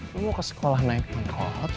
lo mau ke sekolah naik motor